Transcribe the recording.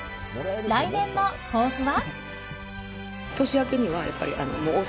来年の抱負は。